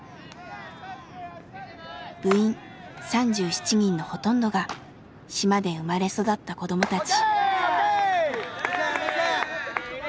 部員３７人のほとんどが島で生まれ育った子供たち。